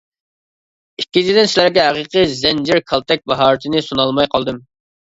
ئىككىنچىدىن سىلەرگە ھەقىقىي زەنجىر كالتەك ماھارىتىنى سۇنالماي قالدىم.